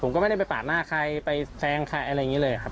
ก็ไม่ได้ไปปาดหน้าใครไปแทงใครอะไรอย่างนี้เลยครับ